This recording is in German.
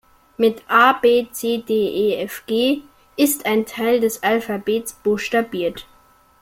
Mit A-B-C-D-E-F-G ist ein Teil des Alphabets buchstabiert!